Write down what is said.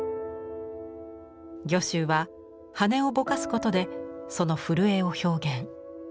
御舟は羽をぼかすことでその震えを表現。